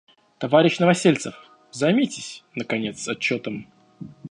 Товарищ Новосельцев, займитесь, наконец, отчетом.